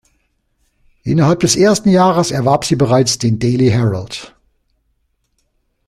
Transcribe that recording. Innerhalb des ersten Jahres erwarb sie bereits den "Daily Herald".